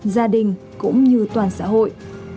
gia đình cũng như toàn xã hội